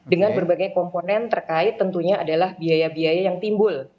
dengan berbagai komponen terkait tentunya adalah biaya biaya yang timbul